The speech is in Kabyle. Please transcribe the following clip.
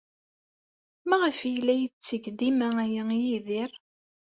Maɣef ay as-yetteg dima aya i Yidir?